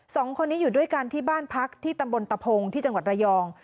สองคนนี้อยู่ด้วยกันที่บ้านพักที่ตำบลตะพงที่จังหวัดระยอง